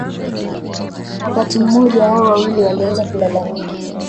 Wakati mmoja hao wawili walianza kulalamika